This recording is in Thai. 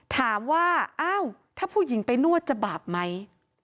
ถามว่าอ้าวถ้าผู้หญิงไปนวดจะบาปไหม